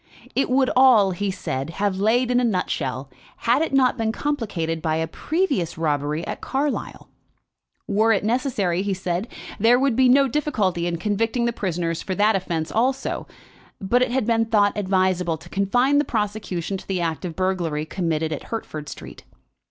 It would all, he said, have laid in a nutshell, had it not been complicated by a previous robbery at Carlisle. Were it necessary, he said, there would be no difficulty in convicting the prisoners for that offence also, but it had been thought advisable to confine the prosecution to the act of burglary committed in Hertford Street.